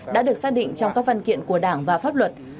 đã được xác định trong các văn kiện của đảng và pháp luật